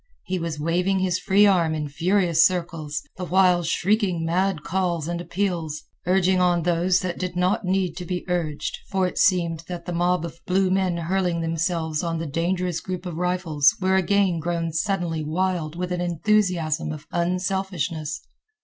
He was waving his free arm in furious circles, the while shrieking mad calls and appeals, urging on those that did not need to be urged, for it seemed that the mob of blue men hurling themselves on the dangerous group of rifles were again grown suddenly wild with an enthusiasm of unselfishness.